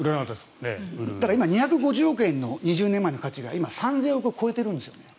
だから今、２５０億円の価値が今、３０００億円を超えてるんですね。